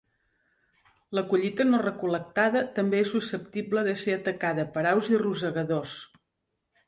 La collita no recol.lectada també és susceptible de ser atacada per aus i rosegadors.